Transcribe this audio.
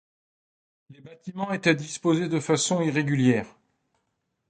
Les bâtiments étaient disposés de façon irrégulière.